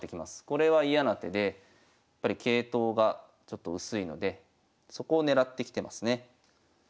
これは嫌な手でやっぱり桂頭がちょっと薄いのでそこを狙ってきてますね。